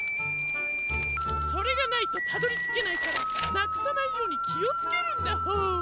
それがないとたどりつけないからなくさないようにきをつけるんだホォー。